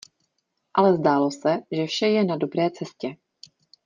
Ale zdálo se, že vše je na dobré cestě.